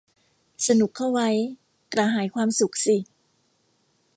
สนุกเข้าไว้ กระหายความสุขสิ